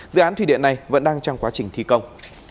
dự án thủy điện này vẫn đang trong quá trình thi công